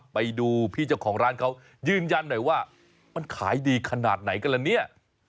ไปดูพี่เจ้าของร้านเขายืนยันหน่อยว่ามันขายดีขนาดไหนกันละเนี่ย